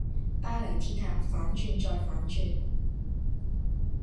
巴黎鐵塔反轉再反轉